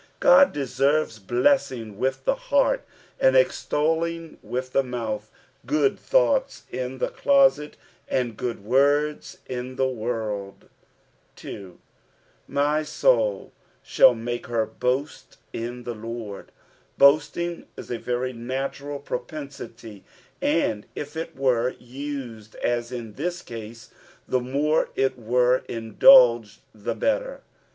God deserves blessing with the heart, and extolling with the mouth — good thoughts in the closet, and good words in the world. 2. ''My Kul tAaU make her bocut in the Lord." Boasting is a very natunti propensity, and if it were used as in this case, the more it were indulged the Dctter.